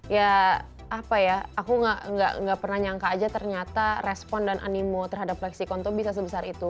ya apa ya aku nggak pernah nyangka aja ternyata respon dan animo terhadap lexicon itu bisa sebesar itu